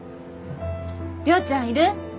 遼ちゃんいる？